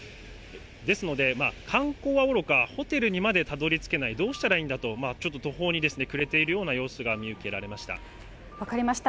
ですので、観光はおろか、ホテルにまでたどり着けない、どうしたらいいんだとちょっと、途方に暮れているような様子が見分かりました。